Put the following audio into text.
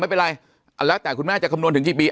ไม่เป็นไรแล้วแต่คุณแม่จะคำนวณถึงกี่ปี